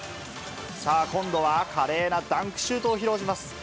さあ、今度は華麗なダンクシュートを披露します。